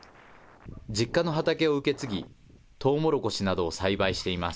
実家の畑を受け継ぎ、トウモロコシなどを栽培しています。